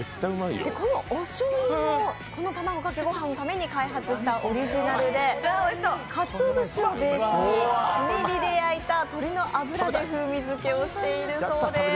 このおしょうゆも、このたまごかけご飯のために開発したオリジナルで、かつお節をベースに炭火で焼いた鶏の脂で風味づけをしているそうです。